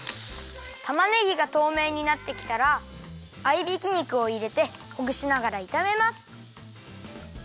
たまねぎがとうめいになってきたらあいびき肉をいれてほぐしながらいためます。